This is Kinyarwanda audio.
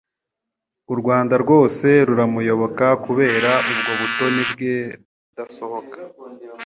u Rwanda rwose ruramuyoboka kubera ubwo butoni bwe bw'akadasohoka.